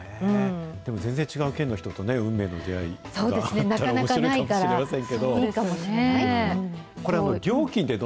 でも全然違う県の人とね、運命の出会いがあったらおもしろいかもしれませんけど。